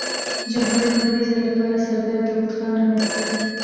جمهوریت د لومړي ځل له پاره سردار داود خان رامنځ ته کړ.